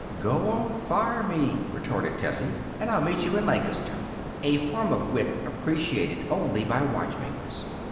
"Go on fire me," retorted Tessie, "and I'll meet you in Lancaster" a form of wit appreciated only by watchmakers.